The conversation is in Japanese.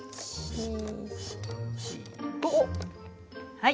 はい。